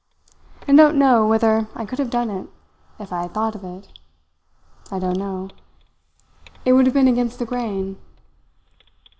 And I don't know whether I could have done it if I had thought of it. I don't know. It would have been against the grain.